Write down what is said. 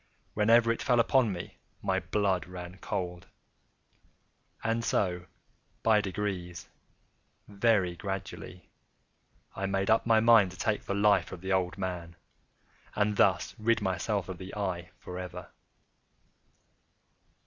Whenever it fell upon me, my blood ran cold; and so by degrees—very gradually—I made up my mind to take the life of the old man, and thus rid myself of the eye forever.